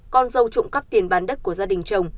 con dâu trộm cắp tiền bán đất của gia đình chồng